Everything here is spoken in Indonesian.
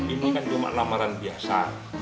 ini kan cuma lamaran biasa